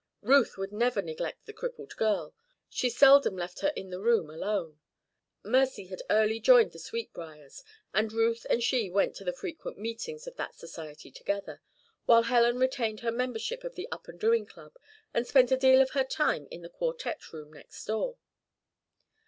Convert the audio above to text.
Ruth would never neglect the crippled girl. She seldom left her in the room alone. Mercy had early joined the Sweetbriars, and Ruth and she went to the frequent meetings of that society together, while Helen retained her membership in the Up and Doing Club and spent a deal of her time in the quartette room next door.